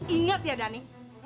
ingat ya dani